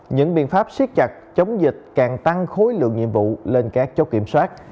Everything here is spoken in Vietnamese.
những biện pháp siết chặt chống dịch càng tăng khối lượng nhiệm vụ lên các chốt kiểm soát